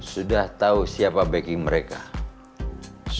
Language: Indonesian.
saya mau pergi ke rumah